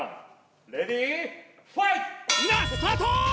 今スタート！